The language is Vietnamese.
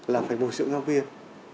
là phải bồi dưỡng giáo viên